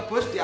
bebas tuh ya